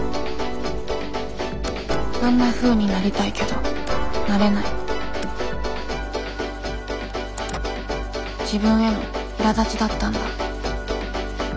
あんなふうになりたいけどなれない自分へのいらだちだったんだ。